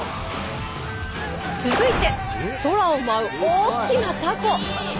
続いて空を舞う大きなたこ。